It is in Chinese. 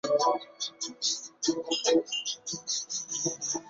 此外亦跟长沙湾天主教英文中学维持友好关系。